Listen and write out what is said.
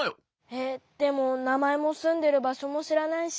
えっでもなまえもすんでるばしょもしらないし。